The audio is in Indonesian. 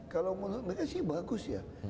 kalau menurut mereka sih bagus ya